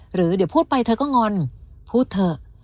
หรือเดี๋ยวพูดไปเธอก็งอนพูดเถอะ